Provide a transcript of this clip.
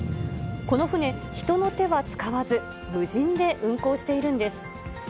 この船、人の手は使わず、無人で運航しているんです。